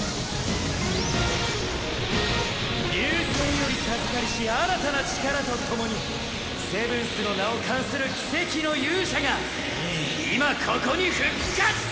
流星より授かりし新たな力とともにセブンスの名を冠する奇跡の勇者が今ここに復活！